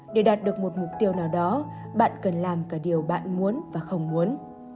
để đạt được một mục tiêu nào đó bạn cần làm cả điều bạn muốn và không muốn